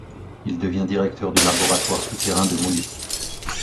Il devient directeur du laboratoire souterrain de Moulis.